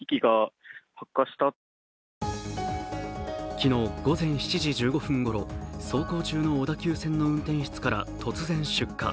昨日午前７時１５分ごろ、走行中の小田急線の運転室から突然出火。